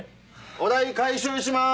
お代回収します